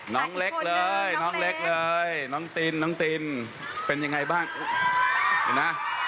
น้องเล็กเลยน้องเล็กเลยน้องตินเนี่ยตินเป็นยังไงบ้าง